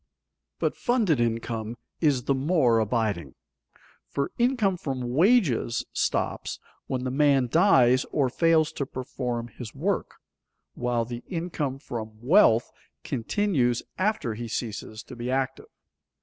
But funded income is the more abiding, for income from wages stops when the man dies or fails to perform his work, while the income from wealth continues after he ceases to be active.